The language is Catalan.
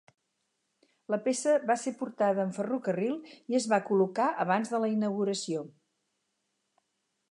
La peça va ser portada en ferrocarril i es va col·locar abans de la inauguració.